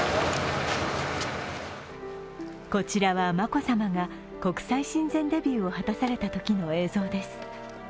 こちらは、眞子さまが国際親善デビューを果たされたときの映像です。